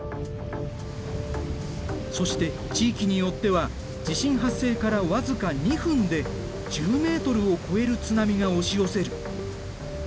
そして地域によっては地震発生から僅か２分で１０ｍを超える津波が押し寄せる。